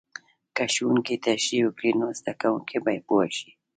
که ښوونکی تشریح وکړي، نو زده کوونکی به پوه شي.